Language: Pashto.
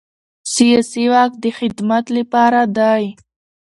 سیاسي واک د خدمت لپاره دی